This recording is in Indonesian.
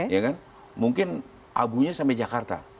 ya kan mungkin abunya sampai jakarta